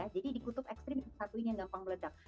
jadi di kutub ekstrim satu ini yang gampang meledak